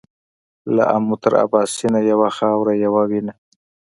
له امو تر اباسينه يوه خاوره يوه وينه.